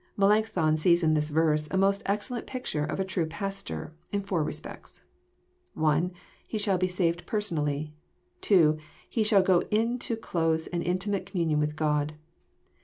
Melancthon sees In this verse a most excellent picture of a true pastor, in four respects. (1) He shall be saved personally. (2) He shall go into close and intimate communion with God.